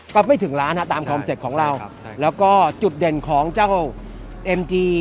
ก็ไม่ถึงร้านฮะตามของเราแล้วก็จุดเด่นของเจ้าเอ็มจี